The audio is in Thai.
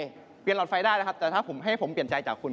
ใช่เปลี่ยนหลอดไฟได้นะครับแต่ถ้าผมให้ผมเปลี่ยนใจจากคุณ